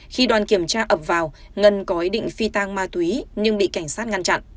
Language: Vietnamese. khi đoàn kiểm tra ập vào ngân có ý định phi tang ma túy nhưng bị cảnh sát ngăn chặn